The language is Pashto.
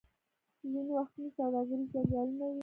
ځینې وختونه سوداګریز جنجالونه وي.